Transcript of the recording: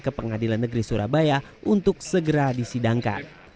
ke pengadilan negeri surabaya untuk segera disidangkan